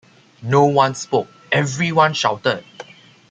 No one spoke, everyone shouted.